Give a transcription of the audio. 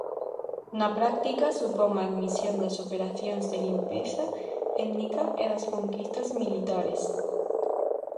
Na práctica supón a admisión das operacións de limpeza étnica e das conquistas militares.